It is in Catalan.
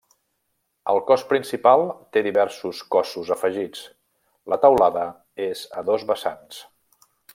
El cos principal té diversos cossos afegits, la teulada és a dos vessants.